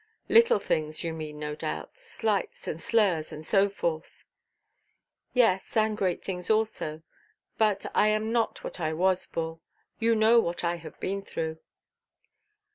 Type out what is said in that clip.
"Little things, you mean, no doubt. Slights and slurs—and so forth?" "Yes, and great things also. But I am not what I was, Bull. You know what I have been through."